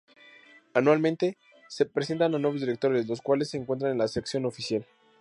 Anualmente presentan a nuevos directores, los cuales entran en la "Sección Oficial".